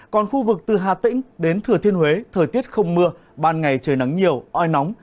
còn khu vực từ hà tĩnh đến thừa thiên huế thời tiết không mưa ban ngày trời nắng nhiều oi nóng